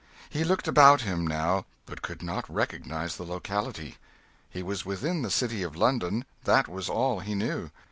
He looked about him, now, but could not recognise the locality. He was within the city of London that was all he knew.